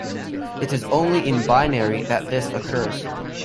It is only in binary that this occurs.